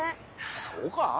そうか？